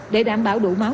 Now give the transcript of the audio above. để đảm bảo đủ máu